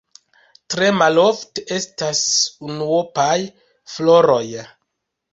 Tre malofte estas unuopaj floroj.